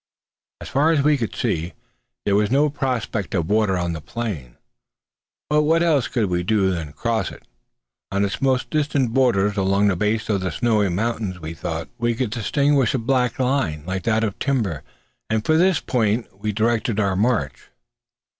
As far as we could see, there was no prospect of water on the plain; but what else could we do than cross it? On its most distant border, along the base of the snowy mountains, we thought we could distinguish a black line, like that of timber, and for this point we directed our march.